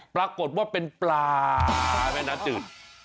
ปรากฏว่าเป็นปลาแม่น้ำจืด